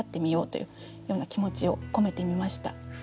というような気持ちを込めてみました。